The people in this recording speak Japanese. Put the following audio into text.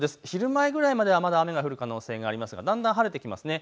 昼前ぐらいまではまだ雨が降る可能性がありますがだんだん晴れてきます。